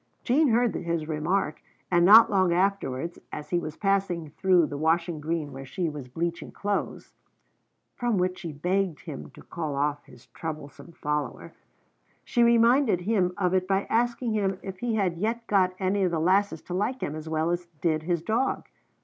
Jean heard his remark, and not long afterwards, as he was passing through the washing green where she was bleaching clothes (from which she begged him to call off his troublesome follower), she reminded him of it by asking him if he had yet got any of the lasses to like him as well as did his dog?